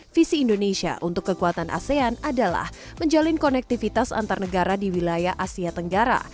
visi indonesia untuk kekuatan asean adalah menjalin konektivitas antar negara di wilayah asia tenggara